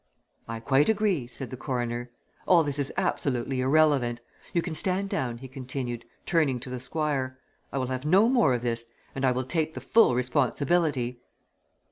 "I quite agree," said the Coroner. "All this is absolutely irrelevant. You can stand down," he continued, turning to the Squire. "I will have no more of this and I will take the full responsibility!"